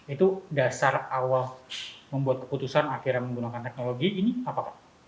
itu dasar awal membuat keputusan akhirnya menggunakan teknologi ini apa pak